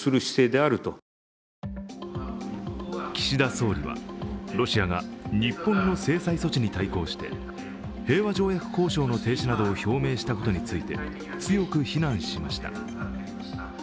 岸田総理はロシアが日本の制裁措置に対抗して平和条約交渉の停止などを表明したことについて、強く非難しました。